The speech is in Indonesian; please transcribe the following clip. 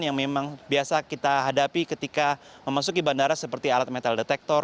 yang memang biasa kita hadapi ketika memasuki bandara seperti alat metal detektor